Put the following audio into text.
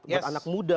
buat anak muda